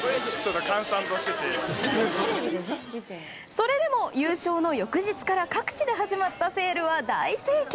それでも、優勝の翌日から各地で始まったセールは大盛況。